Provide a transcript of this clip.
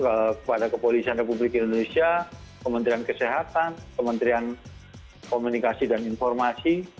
kepada kepolisian republik indonesia kementerian kesehatan kementerian komunikasi dan informasi